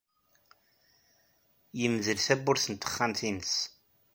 Yemdel tawwurt n texxamt-nnes.